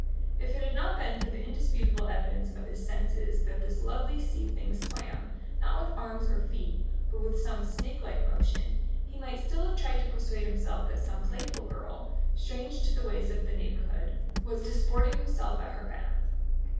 If it had not been for the indisputable evidence of his senses that this lovely sea thing swam, not with arms or feet, but with some snake like motion, he might still have tried to persuade himself that some playful girl, strange to the ways of the neighbourhood, was disporting herself at her bath.